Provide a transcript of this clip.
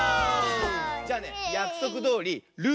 じゃあねやくそくどおり「る」